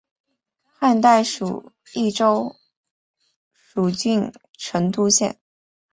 汉代属益州蜀郡成都县。